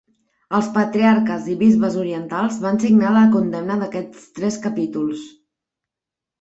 Els patriarques i bisbes orientals van signar la condemna d'aquests tres capítols.